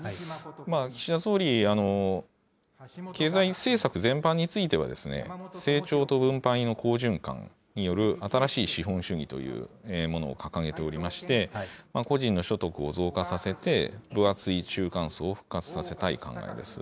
岸田総理、経済政策全般については、成長と分配の好循環による新しい資本主義というものを掲げておりまして、個人の所得を増加させて、分厚い中間層を復活させたい考えです。